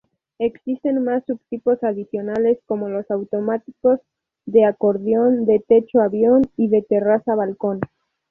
Existen más subtipos adicionales, como los automáticos, de acordeón, de techo-avión y de terraza-balcón.